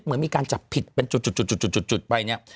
เหมือนมีการจับผิดเป็นจุดไปเนี่ย